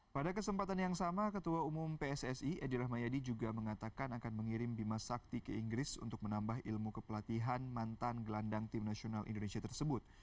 pada kesempatan yang sama ketua umum pssi edi rahmayadi juga mengatakan akan mengirim bima sakti ke inggris untuk menambah ilmu kepelatihan mantan gelandang tim nasional indonesia tersebut